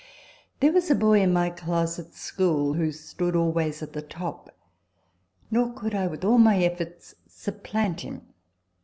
There was a boy in my class at school who stood always at the top ; nor could I with all my efforts supplant him.